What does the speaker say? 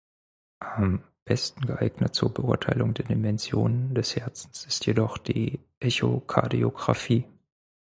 Am besten geeignet zur Beurteilung der Dimensionen des Herzens ist jedoch die Echokardiografie.